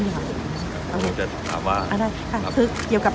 และนัดฟังความคิดภาพสาห์อ่อนแน่ว่าที่สิทธิกายนนะครับ